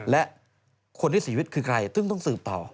และคนที่สีวิตคือใครต้องสืบต่อ